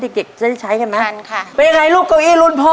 เด็กเด็กจะได้ใช้กันไหมชันค่ะเป็นยังไงลูกเก้าอี้รุ่นพ่อ